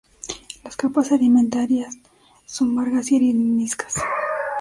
Las capas sedimentarias son margas y areniscas.